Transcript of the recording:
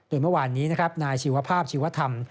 โดยเมื่อวานนี้นะครับนายชีวภาพชีวธรรม